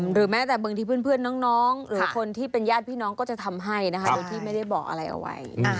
หรือแม้แต่บางทีเพื่อนน้องหรือคนที่เป็นญาติพี่น้องก็จะทำให้นะคะโดยที่ไม่ได้บอกอะไรเอาไว้